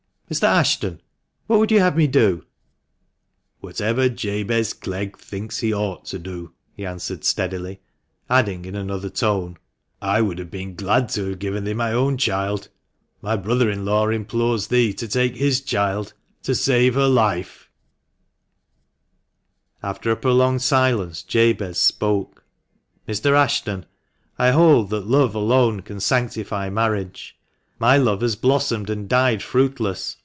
" Mr. Ashton, what would you have me do ?" "Whatever Jabez Clegg thinks he ought to do," he answered steadily, adding in another tone, "I would have been glad to have given thee my own child ; my brother in law implores thee to take his child, to save her life," 394 THB MANCHESTER After a prolonged silence Jabez spoke. " Mr. Ashton, I hold that love alone can sanctify marriage ; my love has blossomed and died fruitless.